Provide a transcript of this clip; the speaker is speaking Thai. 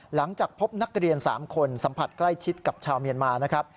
หลังจากพบนักเรียน๓คนสัมผัสใกล้ชิดกับชาวเมียนมานะครับ